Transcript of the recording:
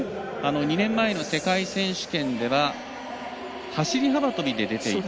２年前の世界選手権では走り幅跳びで出ていて。